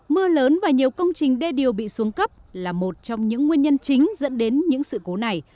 mưa lớn và nhiều công trình đê điều bị xuống cấp là một trong những nguyên nhân chính dẫn đến những sự cố này